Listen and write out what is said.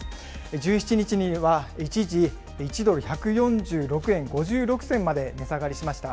１７日には一時、１ドル１４６円５６銭まで値下がりしました。